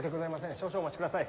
少々お待ちください。